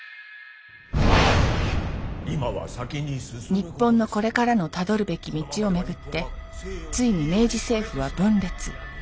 日本のこれからのたどるべき道を巡ってついに明治政府は分裂。